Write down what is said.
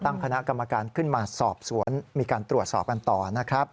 ตั้งคณะกรรมการขึ้นมาสอบสวนมีการตรวจสอบกันต่อนะครับ